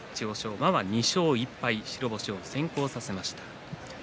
馬は２勝１敗白星を先行させました。